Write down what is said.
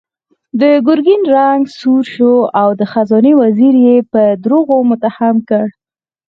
د ګرګين رنګ سور شو او د خزانې وزير يې په دروغو متهم کړ.